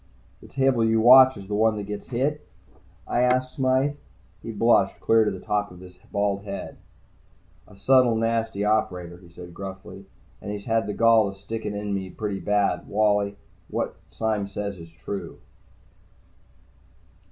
"The table you watch is the one that gets hit?" I asked Smythe. He blushed, clear to the top of his bald head. "A subtle, nasty operator," he said gruffly. "And he's had the gall to stick it in me pretty badly, Wally. What Sime says is true."